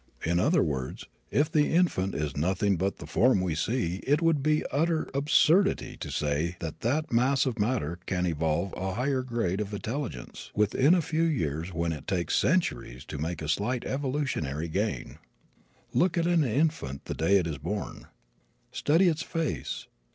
In other words, if the infant is nothing but the form we see it would be utter absurdity to say that that mass of matter can evolve a high grade of intelligence within a few years when it takes centuries to make a slight evolutionary gain. Look at an infant the day it is born. Study its face.